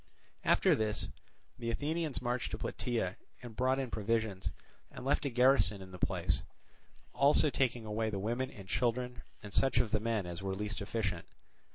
After this the Athenians marched to Plataea and brought in provisions, and left a garrison in the place, also taking away the women and children and such of the men as were least efficient.